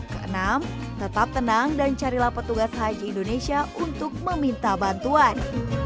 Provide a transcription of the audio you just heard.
keenam tetap tenang dan carilah petugas haji indonesia untuk meminta bantuan